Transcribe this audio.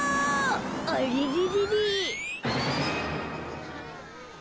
あれれれれ？